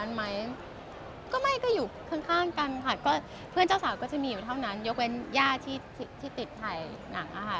ใช่ก็มีลูกออกมาแบบนี้ค่ะ